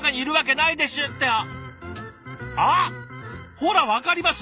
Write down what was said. ほら分かります？